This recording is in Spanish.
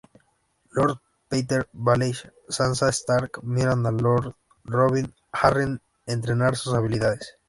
Lord Petyr Baelish y Sansa Stark miran a Lord Robyn Arryn entrenar sus habilidades.